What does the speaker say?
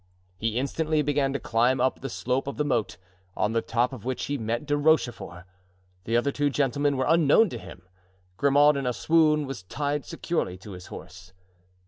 He instantly began to climb up the slope of the moat, on the top of which he met De Rochefort. The other two gentlemen were unknown to him. Grimaud, in a swoon, was tied securely to a horse.